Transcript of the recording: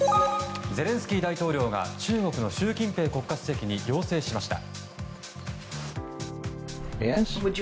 ゼレンスキー大統領が中国の習近平国家主席に要請しました。